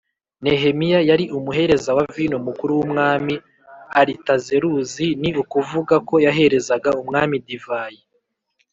Nehemiya yari umuhereza wa vino mukuru w Umwami Aritazeruzi Ni ukuvuga ko yaherezaga umwami divayi